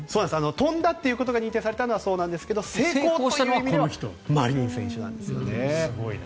跳んだということが認定されたのはそうなんですが成功という意味ではマリニン選手なんですよね。